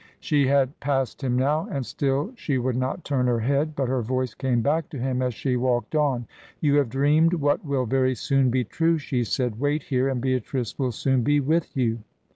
She had passed him now, and still she would not turn her head. But her voice came back to him as she walked on. "You have dreamed what will very soon be true," she said. "Wait here, and Beatrice will soon be with you."